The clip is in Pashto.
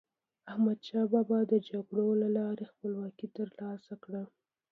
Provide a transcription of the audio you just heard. احمدشاه بابا د جګړو له لارې خپلواکي تر لاسه کړه.